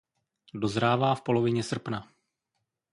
Dozrává v polovině srpna.